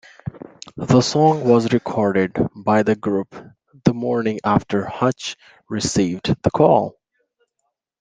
The song was recorded by the group the morning after Hutch received the call.